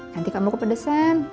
nanti kamu kepedesan